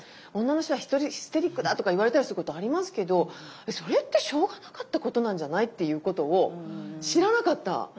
「女の人はヒステリックだ」とか言われたりすることありますけど「それってしょうがなかったことなんじゃない？」っていうことを知らなかった。